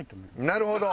なるほど。